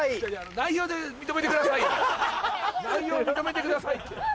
内容認めてくださいって。